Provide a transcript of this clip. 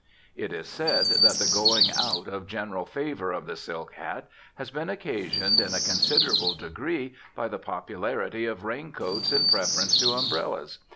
It is said that the going out of general favour of the silk hat has been occasioned in a considerable degree by the popularity of raincoats in preference to umbrellas.